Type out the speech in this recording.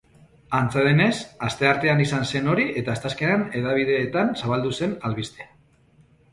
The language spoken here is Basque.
Antza denez, asteartean izan zen hori eta asteazkenean hedabideetan zabaldu zen albistea.